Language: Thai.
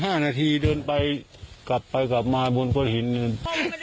ประมาณ๔๕นาทีเดินไปกลับไปกลับมาบนผ้าหิน